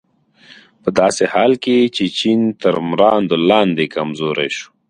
په داسې حال کې چې چین تر مراندو لاندې کمزوری شو.